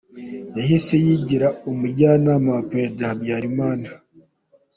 Yahise yigira Umujyanama wa Perezida Habyarimana.